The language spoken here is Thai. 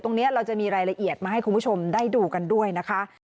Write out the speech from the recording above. เราจะมีรายละเอียดมาให้คุณผู้ชมได้ดูกันด้วยนะคะ